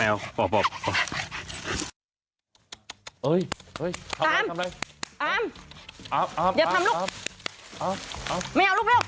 อาร์ม